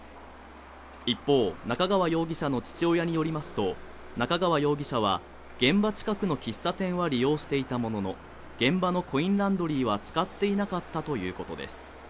一方中川容疑者の父親によりますと中川容疑者は現場近くの喫茶店は利用していたものの現場のコインランドリーは使っていなかったということです